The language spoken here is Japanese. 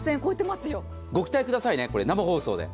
ご期待くださいね、生放送で。